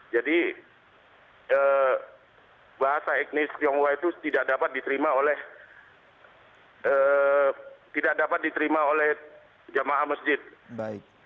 jadi bahasa etnis tionghoa itu tidak dapat diterima oleh jemaah masjid